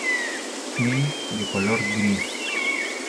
Iris de color gris.